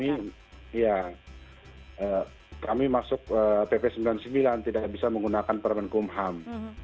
seharusnya kami masuk pp sembilan puluh sembilan tidak bisa menggunakan kemenkum ham